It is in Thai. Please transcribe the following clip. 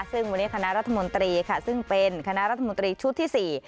ซึ่งวันนี้คณะรัฐมนตรีค่ะซึ่งเป็นคณะรัฐมนตรีชุดที่๔